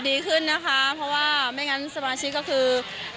ดีขึ้นนะคะเพราะว่าไม่งั้นสมาชิกก็คือ